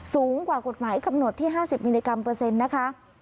สูงกว่ากฎหมายกำหนดที่๕๐มิลลิกรัมเปอร์เซ็นต์นะคะ